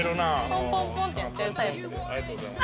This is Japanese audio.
ポンポンポンってやっちゃうタイプ。